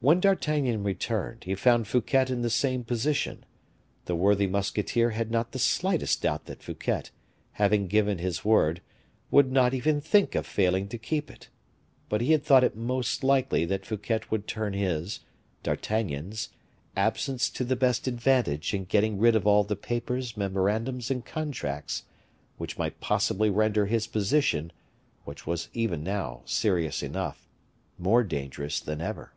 When D'Artagnan returned, he found Fouquet in the same position; the worthy musketeer had not the slightest doubt that Fouquet, having given his word, would not even think of failing to keep it, but he had thought it most likely that Fouquet would turn his (D'Artagnan's) absence to the best advantage in getting rid of all the papers, memorandums, and contracts, which might possibly render his position, which was even now serious enough, more dangerous than ever.